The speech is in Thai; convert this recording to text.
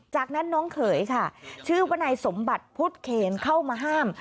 จากนั้นน้องเขยค่ะชื่อว่านายสมบัติพุทธเคนเข้ามาห้าม